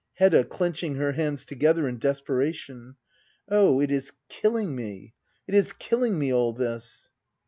Hedda. [Clenching her hands together in desperation,] Oh, it is killing me, — it is killing me, all this